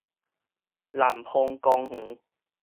南方公園